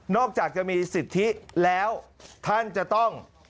จากจะมีสิทธิแล้วท่านจะต้อง